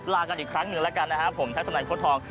ลากันอีกครั้งหนึ่งแล้วกันนะครับผมทัศนัยโค้ทอง